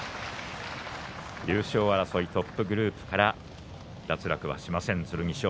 優勝争い、トップグループから脱落はしません、剣翔。